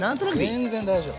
全然大丈夫。